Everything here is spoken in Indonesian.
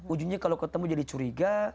ujungnya kalau ketemu jadi curiga